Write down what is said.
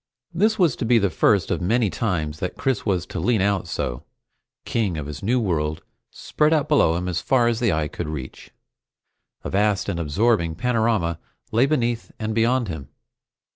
This was to be the first of many such times that Chris was to lean out so, king of this new world spread out below him as far as the eye could reach. A vast and absorbing panorama lay beneath and beyond him.